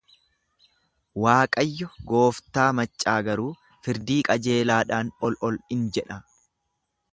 Waaqayyo gooftaa maccaa garuu firdii qajeelaadhaan ol ol jedha.